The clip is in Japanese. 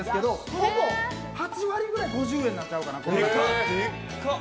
ほぼ８割ぐらい５０円ちゃうかなと。